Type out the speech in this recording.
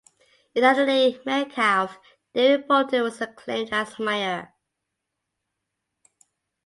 In Adelaide Metcalfe, David Bolton was acclaimed as mayor.